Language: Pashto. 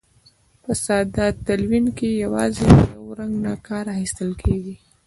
په ساده تلوین کې یوازې له یو رنګ نه کار اخیستل کیږي.